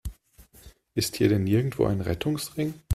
Ist hier denn nirgendwo ein Rettungsring?